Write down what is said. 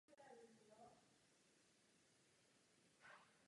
I s vídeňským klubem slavil rakouský titul a dvojnásobné vítězství v poháru.